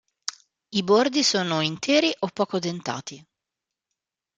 I bordi sono interi o poco dentati.